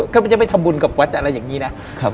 ก็มันจะไม่ทำบุญกับวัดอะไรอย่างนี้นะ